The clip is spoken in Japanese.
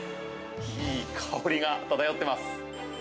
いい香りが漂っています。